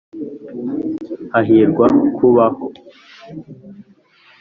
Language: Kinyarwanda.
hahirwa kubaho.